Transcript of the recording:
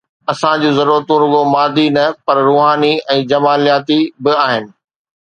انسان جون ضرورتون رڳو مادي نه پر روحاني ۽ جمالياتي به آهن.